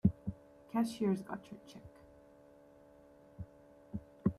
Cashier's got your check.